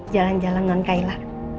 jalan jalan non kaila